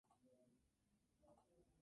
Victoria-Estado de Tamaulipas.